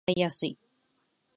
このヒノキのまな板は使いやすい